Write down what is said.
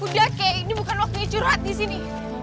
udah kek ini bukan waktunya curhat disini